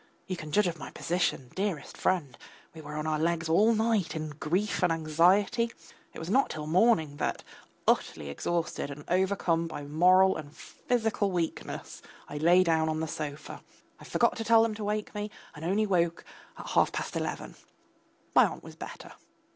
You can judge of my position, dearest friend. We were on our legs all night in grief and anxiety. It was not till morning that, utterly exhausted and overcome by moral and physical weakness, I lay down on the sofa; I forgot to tell them to wake me, and only woke at half past eleven. My aunt was better.